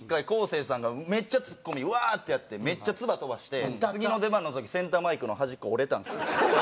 生さんがめっちゃツッコミうわー！ってやってめっちゃつば飛ばして次の出番の時センターマイクの端っこ折れたんですよ。